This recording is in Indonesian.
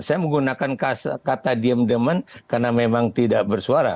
saya menggunakan kata diem diem karena memang tidak bersuara